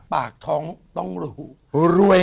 ปากท้องต้องรู้